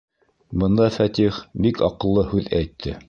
Бында Фәтих бик аҡыллы һүҙ әйтте.